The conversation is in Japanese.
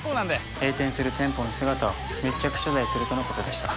閉店する店舗の姿を密着取材するとのことでした。